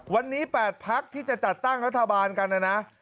วันนี้๘พักที่จะจัดตั้งรัฐบาลกันนะนะ